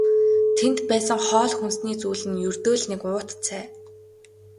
Тэнд байсан хоол хүнсний зүйл нь ердөө л нэг уут цай.